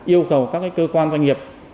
yêu cầu các cơ quan doanh nghiệp